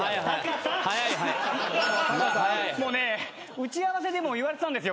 もうね打ち合わせでも言われてたんです。